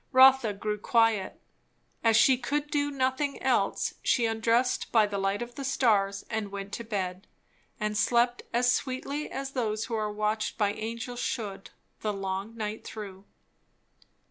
Rotha grew quiet. As she could do nothing else, she undressed by the light of the stars and went to bed; and slept as sweetly as those who are watched by angels should, the long night through.